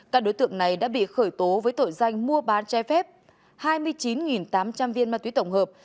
các đối tượng này đã bị khởi tố với tội danh mua bán che phép hai mươi chín tám trăm linh viên ma túy tổng hợp